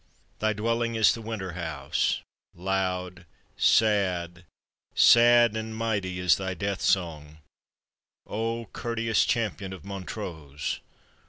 Thy dwelling is the winter house: — Loud, sad, sad, and mighty is thy death song ! Oh! courteous champion of Montrose